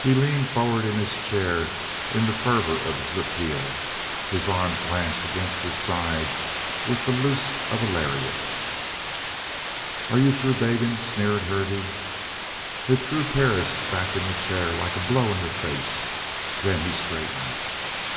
He leaned forward in his chair in the fervor of his appeal, his arms lashed against his sides with the loose of a lariat. "Are you through begging?" sneered Hervey. It threw Perris back in the chair like a blow in the face. Then he straightened.